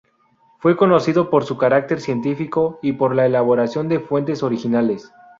Fue conocido por su carácter científico y por la elaboración de fuentes originales.